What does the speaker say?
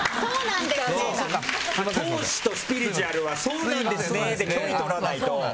投資とスピリチュアルの人はそうなんですねで距離とらないと。